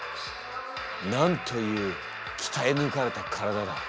なんというきたえ抜かれた体だ。